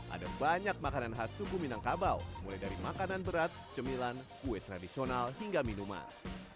ada banyak makanan khas suku minangkabau mulai dari makanan berat cemilan kue tradisional hingga minuman